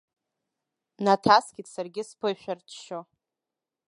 Наҭаскит саргьы сԥышәырччо.